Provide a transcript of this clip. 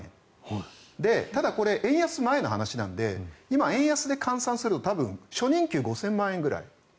ただ、これは円安前の話なので今、円安で換算すると多分初任給５０００万円ぐらい。